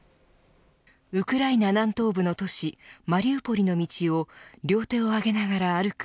ウクライナ南東部の都市マリウポリの道を両手を上げながら歩く